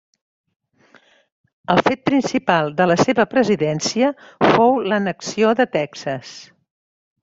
El fet principal de la seva presidència fou l'annexió de Texas.